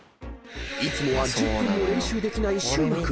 ［いつもは１０分も練習できない柊真君］